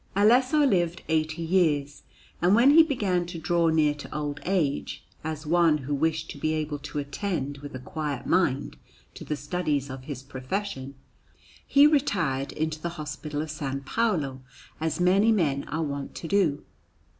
Alesso lived eighty years, and when he began to draw near to old age, as one who wished to be able to attend with a quiet mind to the studies of his profession, he retired into the Hospital of S. Paolo, as many men are wont to do.